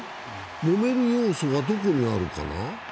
もめる要素がどこにあるかな？